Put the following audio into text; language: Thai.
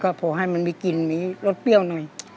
ก็พอให้มันมีกลิ่นมีรสเปรี้ยวหน่อย